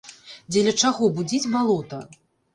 Дзеля чаго будзіць балота?